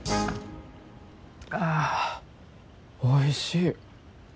あおいしい。